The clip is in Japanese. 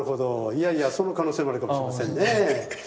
いやいやその可能性もあるかもしれませんね。